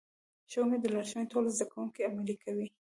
د ښوونکي لارښوونې ټول زده کوونکي عملي کوي.